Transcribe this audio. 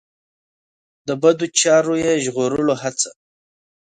د بدو چارو یې ژغورلو هڅه.